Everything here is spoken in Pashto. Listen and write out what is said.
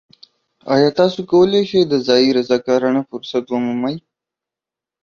ایا تاسو کولی شئ د ځایی رضاکارانه فرصت ومومئ؟